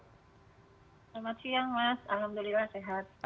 selamat siang mas alhamdulillah sehat